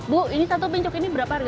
bu ini satu pincuk ini berapa harga